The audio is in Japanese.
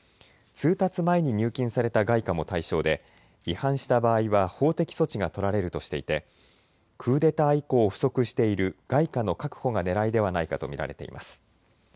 通達前に入金された外貨も対象で違反した場合は法的措置が取られるとしていてクーデター以降、不足している外貨の確保がねらいではないかと見られています。